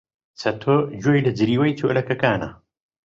چەتۆ گوێی لە جریوەی چۆلەکەکانە.